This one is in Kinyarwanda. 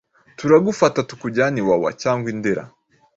turagufata tukujyane i Wawa cyangwa i Ndera